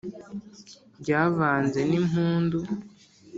Ryavanze n' impundu